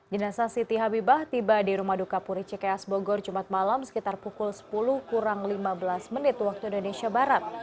jenasa siti habibah tiba di rumah duka puri cikeas bogor jumat malam sekitar pukul sepuluh kurang lima belas menit waktu indonesia barat